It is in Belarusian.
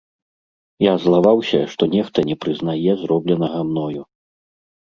Я злаваўся, што нехта не прызнае зробленага мною.